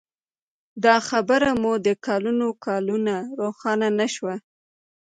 دا خبره موږ ته کلونه کلونه روښانه نه شوه.